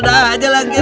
ada ada aja lagi